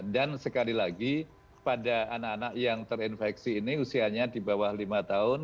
dan sekali lagi pada anak anak yang terinfeksi ini usianya di bawah lima tahun